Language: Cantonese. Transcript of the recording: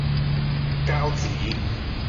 膠紙